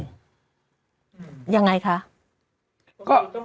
เกขาค